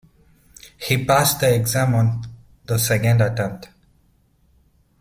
He passed the exam on the second attempt